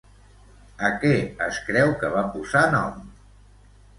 A què es creu que va posar nom?